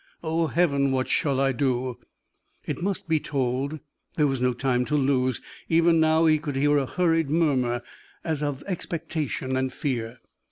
"Oh, Heaven, what shall I do?" It must be told there was no time to lose: even now he could hear a hurried murmur, as of expectation and fear.